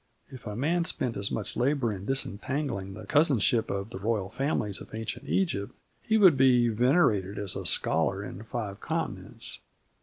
If a man spent as much labour in disentangling the cousinship of the royal families of ancient Egypt, he would be venerated as a scholar in five continents.